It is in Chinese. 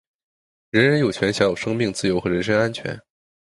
人人有权享有生命、自由和人身安全。